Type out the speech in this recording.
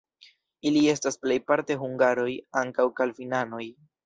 Ili estas plejparte hungaroj, ankaŭ kalvinanoj.